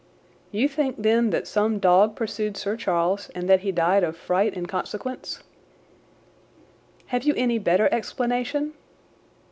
"You think, then, that some dog pursued Sir Charles, and that he died of fright in consequence?" "Have you any better explanation?"